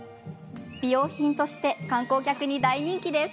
美容品として観光客に大人気です。